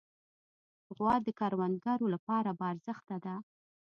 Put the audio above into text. غوا د کروندګرو لپاره باارزښته ده.